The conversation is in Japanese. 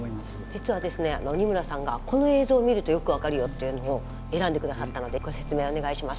実はですね二村さんがこの映像を見るとよく分かるよっていうのを選んでくださったのでご説明をお願いします。